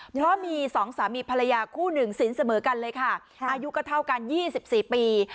เพราะมีสองสามีภรรยาคู่หนึ่งสินเสมอกันเลยค่ะอายุก็เท่ากัน๒๔ปี